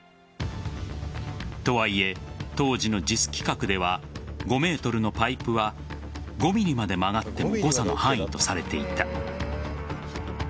とはいえ、当時のＪＩＳ規格では５ｍのパイプは５ｍｍまで曲がっても誤差の範囲とされていた。